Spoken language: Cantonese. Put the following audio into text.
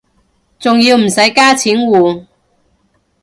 仲要唔使加錢換